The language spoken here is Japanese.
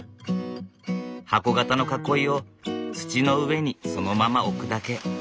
箱形の囲いを土の上にそのまま置くだけ。